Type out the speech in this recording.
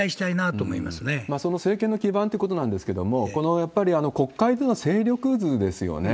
その政権の基盤ってことなんですけれども、やっぱり国会での勢力図ですよね。